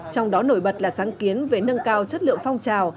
trong đó nổi bật là sáng kiến về nâng cao chất lượng phong trào